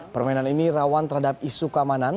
permainan ini rawan terhadap isu keamanan